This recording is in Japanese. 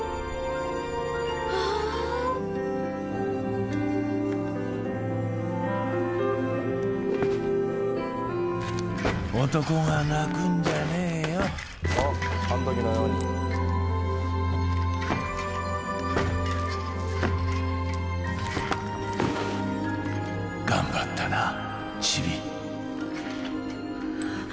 うわーっ男が泣くんじゃねえよ頑張ったなチビ